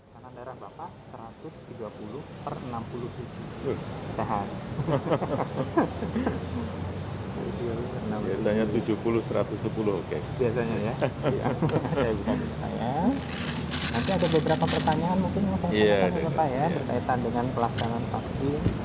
terdiri dari vaksin dari sinovac